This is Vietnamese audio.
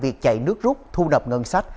tại việc chạy nước rút thu nập ngân sách